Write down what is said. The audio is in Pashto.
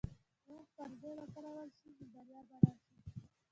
که وخت پر ځای وکارول شي، نو بریا به راشي.